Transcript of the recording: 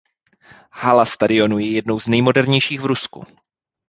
Hala stadionu je jednou z nejmodernějších v Rusku.